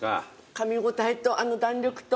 かみ応えと弾力と。